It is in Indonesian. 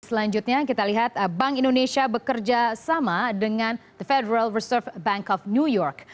selanjutnya kita lihat bank indonesia bekerja sama dengan the federal reserve bank of new york